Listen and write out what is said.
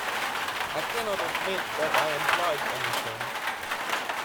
I cannot admit that I implied anything.